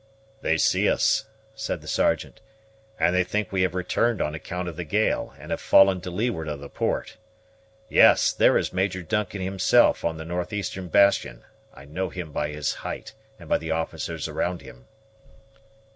"They see us," said the Sergeant, "and think we have returned on account of the gale, and have fallen to leeward of the port. Yes, there is Major Duncan himself on the north eastern bastion; I know him by his height, and by the officers around him."